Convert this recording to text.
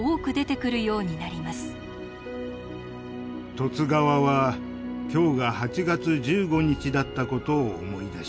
「十津川は今日が八月十五日だったことを思い出した」。